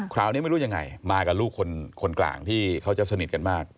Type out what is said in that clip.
คราวนี้ไม่รู้ยังไงมากับลูกคนกลางที่เขาจะสนิทกันมาก